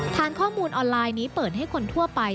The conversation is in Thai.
ฐานข้อมูลออนไลน์นี้เปิดให้คนทั่วไป